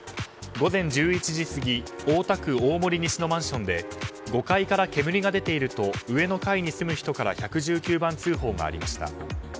午前１１時過ぎ大田区大森西のマンションで５階から煙が出ていると上の階に住む人から１１９番通報がありました。